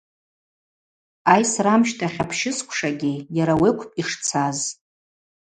Айсра амщтахь апщысквшагьи йара ауи акӏвпӏ йшцаз.